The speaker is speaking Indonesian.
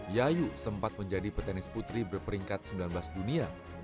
yayu sempat menjadi petenis putri berperingkat sembilan belas dunia